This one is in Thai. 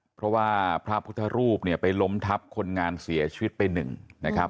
เพราะว่าพระพุทธรูปเนี่ยไปล้มทับคนงานเสียชีวิตไปหนึ่งนะครับ